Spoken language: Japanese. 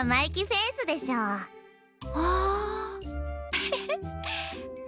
フフフッ。